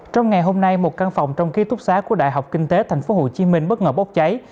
trong ngày hôm nay một căn phòng trong ký túc xá của đại học kinh tế tp hcm bất ngờ bốc cháy